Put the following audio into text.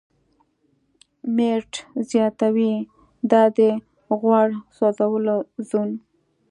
میرټ زیاتوي، دا د "غوړ سوځولو زون